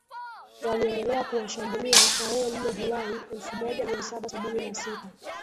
waliendelea kuwashambulia Tarehe nne Julai elfumoja miasaba sabini na sita